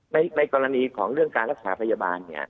ในกรณีของเรื่องการรักษาพยาบาล